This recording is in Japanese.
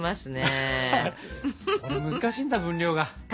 これ難しいんだ分量が。